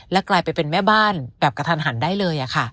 กลายไปเป็นแม่บ้านแบบกระทันหันได้เลย